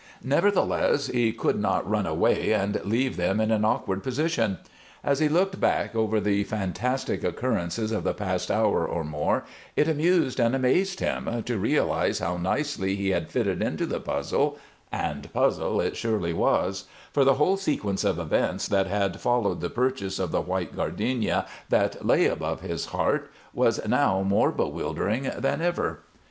Nevertheless, he could not run away and leave them in an awkward position. As he looked back over the fantastic occurrences of the past hour or more it amused and amazed him to realize how nicely he had fitted into the puzzle and puzzle it surely was; for the whole sequence of events that had followed the purchase of the white gardenia that lay above his heart was now more bewildering than ever.